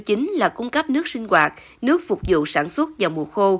chính là cung cấp nước sinh hoạt nước phục vụ sản xuất vào mùa khô